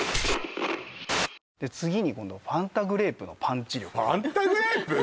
次に今度「ファンタグレープのパンチ力」ファンタグレープ！？